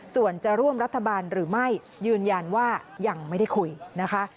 ส่วนจะร่วมรัฐบาลหรือไม่ยืนยันว่ายังไม่ได้คุยนะคะ